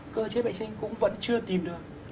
cơ chế bệnh sinh cũng vẫn chưa tìm được